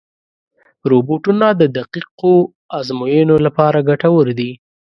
روبوټونه د دقیقو ازموینو لپاره ګټور دي.